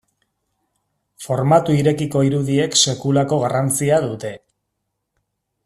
Formatu irekiko irudiek sekulako garrantzia dute.